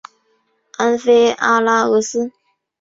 安菲阿拉俄斯。